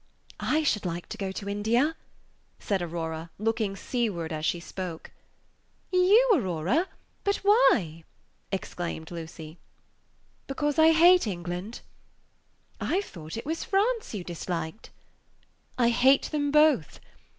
"I should like to go to India," said Aurora, looking seaward as she spoke. "You, Aurora! but why?" exclaimed Lucy. "Because I hate England." "I thought it was France you disliked?" "I hate them both.